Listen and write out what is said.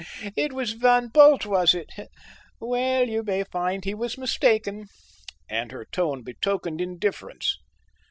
"Oh! it was Van Bult, was it? Well, you may find he was mistaken," and her tone betokened indifference.